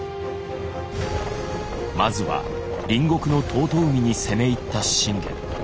まずは隣国の遠江に攻め入った信玄。